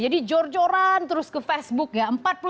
jadi jor joran terus ke facebook ya